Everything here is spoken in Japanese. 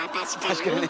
確かにね